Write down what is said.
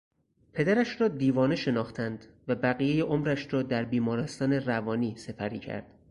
پدرش را دیوانه شناختند و بقیهی عمرش را در بیمارستان روانی سپری کرد.